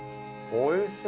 おいしい。